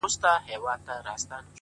شاعره خداى دي زما ملگرى كه’